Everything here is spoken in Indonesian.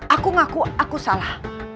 aku ngaku aku salah